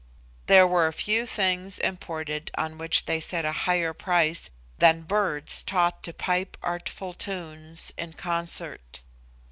There were few things imported on which they set a higher price than birds taught to pipe artful tunes in concert.